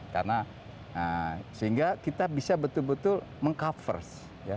karena sehingga kita bisa betul betul meng cover ya